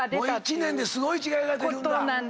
１年ですごい違いが出るんだ。